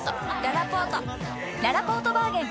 ららぽーとバーゲン開催！